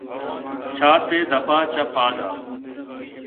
چات ءِ دپ ءَ چہ پادا